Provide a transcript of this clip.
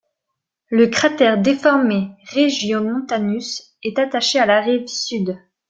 Le cratère déformé Regiomontanus est attaché à la rive sud.